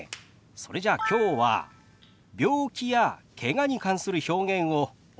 それじゃあきょうは病気やけがに関する表現をお教えしましょう。